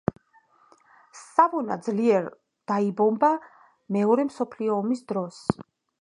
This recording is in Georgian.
სავონა ძლიერ დაიბომბა მეორე მსოფლიო ომის დროს.